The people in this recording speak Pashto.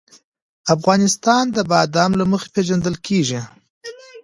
افغانستان د بادام له مخې پېژندل کېږي.